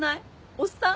おっさん？